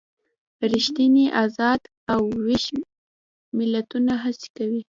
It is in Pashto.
ریښتیني ازاد او ویښ ملتونه هڅې کوي.